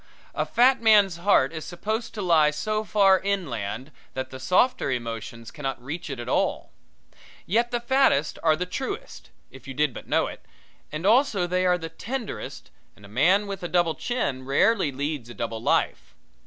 A fat man's heart is supposed to lie so far inland that the softer emotions cannot reach it at all. Yet the fattest are the truest, if you did but know it, and also they are the tenderest and a man with a double chin rarely leads a double life.